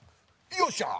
よっしゃ！